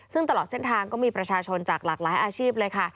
ซึ่งตลอดเส้นทางก็มีประชาชนจากหลากหลายอาชีพเลยค่ะ